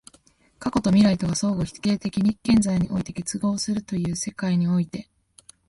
過去と未来とが相互否定的に現在において結合するという世界において、